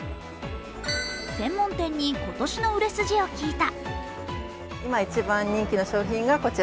専門店に今年の売れ筋を聞いた。